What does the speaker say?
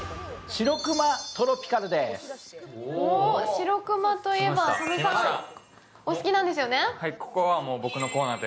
しろくまといえば佐野さん、お好きなんですよね。